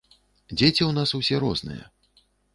Дзеці ў нас усе розныя.